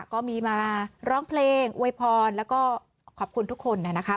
ก็มีมาร้องเพลงอวยพรแล้วก็ขอบคุณทุกคนนะคะ